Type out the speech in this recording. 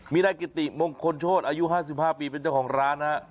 มีนายกิติมงคลโชธอายุ๕๕ปีเป็นเจ้าของร้านฮะ